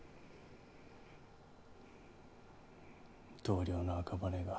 同僚の赤羽が。